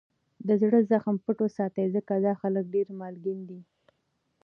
دزړه زخم پټ وساتئ! ځکه دا خلک دېر مالګین دي.